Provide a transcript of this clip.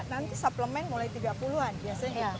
nanti suplemen mulai tiga puluh an biasanya